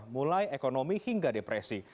mulai ekonomi hingga depresi